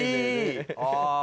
ああ